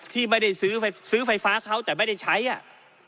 ที่ไม่ได้ซื้อไฟฟ้าเขาแต่ไม่ได้ใช้อ่ะ